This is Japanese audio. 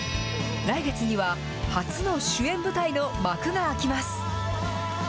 来月には、初の主演舞台の幕が開きます。